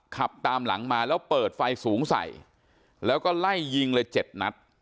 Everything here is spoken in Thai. ขับตามหลังมาแล้วเปิดไฟสูงใส่แล้วก็ไล่ยิงเลยเจ็ดนัด